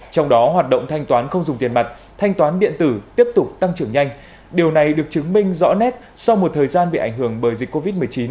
trong đó hoạt động thanh toán không dùng tiền mặt thanh toán điện tử tiếp tục tăng trưởng nhanh điều này được chứng minh rõ nét sau một thời gian bị ảnh hưởng bởi dịch covid một mươi chín